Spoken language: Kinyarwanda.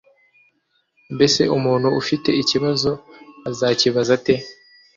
Mbese umuntu ufite ikibazo azakibaza ate